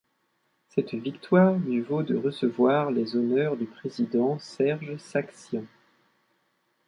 Cette victoire lui vaut de recevoir les honneurs du président Serge Sargsian.